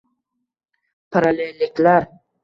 Parallelliklar